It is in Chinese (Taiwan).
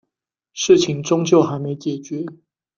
事情終究還沒解決